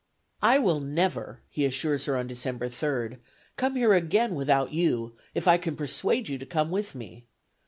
"I will never," he assures her on December third, "come here again without you, if I can persuade you to come with me.